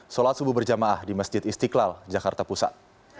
sholat subuh berjamaah di masjid istiqlal jakarta pusat